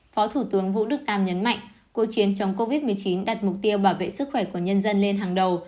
phó thủ tướng vũ đức đam nhấn mạnh cuộc chiến chống covid một mươi chín đặt mục tiêu bảo vệ sức khỏe của nhân dân lên hàng đầu